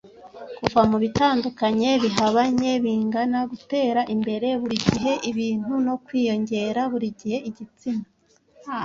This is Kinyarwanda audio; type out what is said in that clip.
Kuva mubitandukanye bihabanye bingana gutera imbere, burigihe ibintu no kwiyongera, burigihe igitsina,